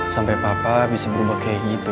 sampai papa bisa berubah kayak gitu